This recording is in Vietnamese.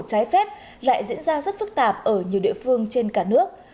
trái phép lại diễn ra rất phức tạp ở nhiều địa phương trên cả nước